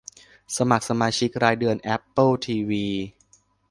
สมัครสมาชิกรายเดือนแอปเปิลทีวี